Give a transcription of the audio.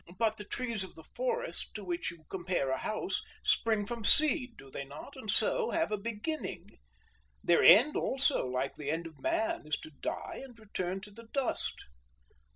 "But the trees of the forest, to which you compare a house, spring from seed, do they not? and so have a beginning. Their end also, like the end of man, is to die and return to the dust."